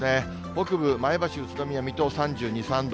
北部、前橋、宇都宮、水戸３２、３度。